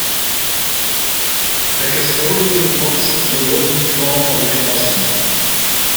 A custodian mops the wooden floor of a classroom.